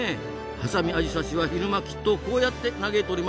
ハサミアジサシは昼間きっとこうやって嘆いておりますぞ。